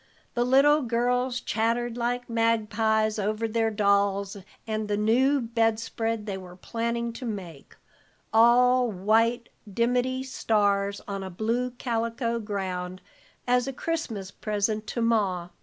The little girls chattered like magpies over their dolls and the new bed spread they were planning to make, all white dimity stars on a blue calico ground, as a Christmas present to Ma.